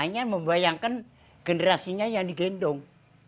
hanya membayangkan generasinya yang digendong